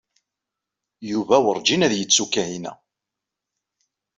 Yuba werǧin ad yettu Kahina.